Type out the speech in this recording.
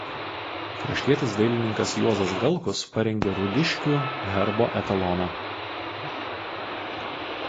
Kraštietis dailininkas Juozas Galkus parengė Rudiškių herbo etaloną.